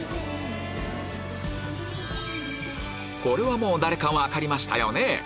これはもう誰か分かりましたよね？